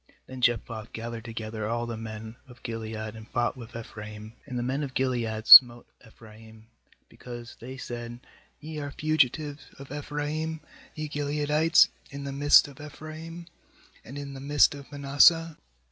4Then Jephthah gathered together all the men of Gilead, and fought with Ephraim; and the men of Gilead smote Ephraim, because they said: 'Ye are fugitives of Ephraim, ye Gileadites, in the midst of Ephraim, and in the midst of Manasseh.'